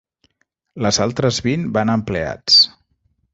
Les altres vint van a empleats.